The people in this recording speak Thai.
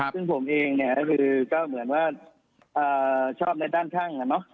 ซึ่งผมเองก็เหมือนว่าชอบในด้านข้าง